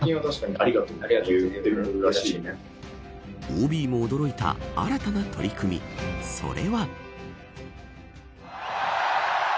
ＯＢも驚いた新たな取り組みそれは。